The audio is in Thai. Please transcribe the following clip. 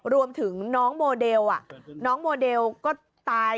รวมถึงน้องโมเดลน้องโมเดลก็ตาย